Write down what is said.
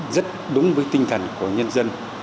rất đúng với tinh thần của nhân dân